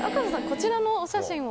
こちらのお写真は？